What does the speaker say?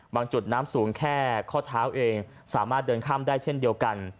จุดน้ำสูงแค่ข้อเท้าเองสามารถเดินข้ามได้เช่นเดียวกัน